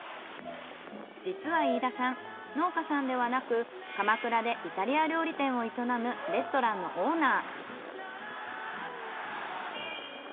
実は飯田さん農家さんではなく鎌倉でイタリア料理店を営むレストランのオーナー。